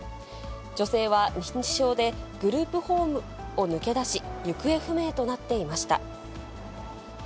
女性は認知症で、グループホームを抜け出し、行方不明となっていました。